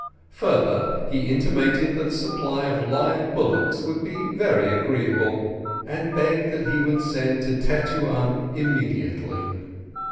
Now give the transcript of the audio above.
Further, he intimated that a supply of live bullocks would be very agreeable, and begged that he would send to Tetuan immediately.